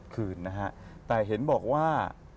คืนนะฮะแต่เห็นบอกว่า